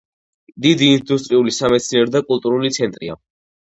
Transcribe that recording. დიდი ინდუსტრიული, სამეცნიერო და კულტურული ცენტრია.